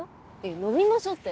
「飲みましょ」って。